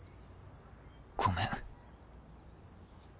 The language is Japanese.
ごめん。